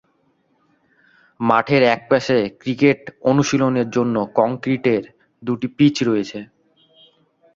মাঠের এক পাশে ক্রিকেট অনুশীলনের জন্য কংক্রিটের দুটি পিচ রয়েছে।